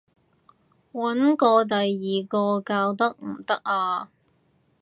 搵過第二個教得唔得啊？